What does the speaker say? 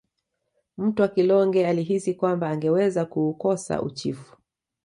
Mtwa kilonge alihisi kwamba angeweza kuukosa uchifu